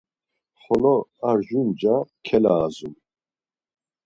Xolo ar jur nca kelaazum.